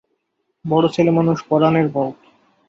বড় ছেলেমানুষ পরানের বৌ।